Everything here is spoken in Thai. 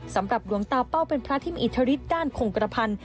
สำหรับหลวงตาเป้าเป็นพระที่มีอิทธิฤทธิด้านคงกระพันธ์